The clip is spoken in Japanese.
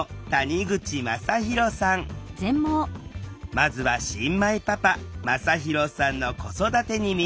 まずは新米パパ真大さんの子育てに密着。